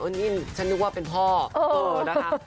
อันนี้ฉันนึกว่าเป็นพ่อเออนะคะ